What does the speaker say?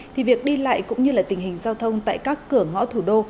thì việc đi lại cũng như là tình hình giao thông tại các cửa ngõ thủ đô